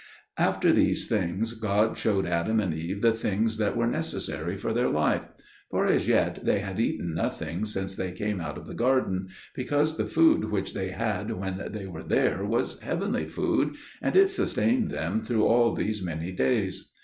After these things God showed Adam and Eve the things that were necessary for their life. For as yet they had eaten nothing since they came out of the garden; because the food which they had when they were there was heavenly food, and it sustained them through all these many days.